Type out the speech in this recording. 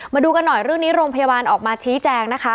มาดูกันหน่อยเรื่องนี้โรงพยาบาลออกมาชี้แจงนะคะ